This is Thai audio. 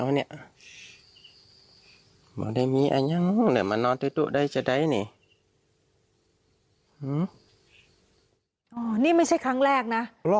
นี่ไม่ใช่ครั้งแรกนะ